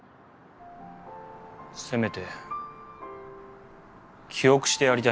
せめて記憶してやりたいんだ。